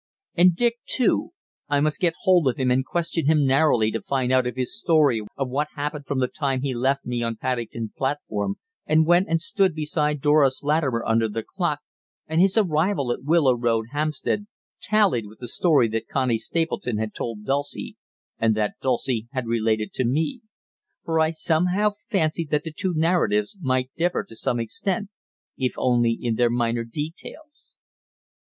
And Dick too; I must get hold of him and question him narrowly to find out if his story of what happened from the time he left me on Paddington platform and went and stood beside Doris Lorrimer under the clock, and his arrival at Willow Road, Hampstead, tallied with the story that Connie Stapleton had told Dulcie, and that Dulcie had related to me for I somehow fancied that the two narratives might differ to some extent, if only in their minor details.